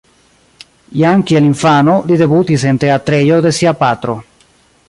Jam kiel infano, li debutis en teatrejo de sia patro.